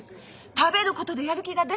食べることでやる気が出る。